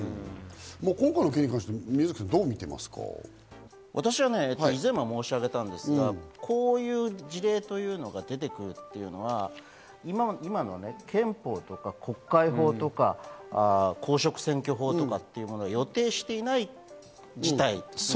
今回の件に関して、どうみて私はいずれも申し上げましたが、こういう事例というのが出てくるというのは今の憲法とか、国会法とか、公職選挙法とかは予定していない事態。